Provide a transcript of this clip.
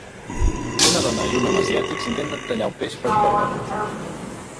Una dona i un home asiàtics intenten tallar un peix per coure'l.